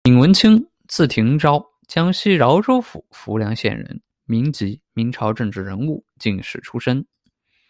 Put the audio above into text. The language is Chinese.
闵文卿，字廷昭，江西饶州府浮梁县人，民籍，明朝政治人物、进士出身。